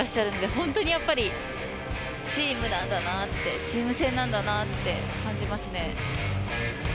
ホントにやっぱりチームなんだなってチーム戦なんだなって感じますね。